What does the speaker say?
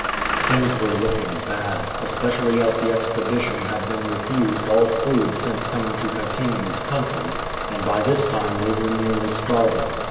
Things were looking bad, especially as the expedition had been refused all food since coming to Kakenge's 156 WONDERFUL CHANGES country, and by this time they were nearly starving.